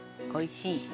おいしい。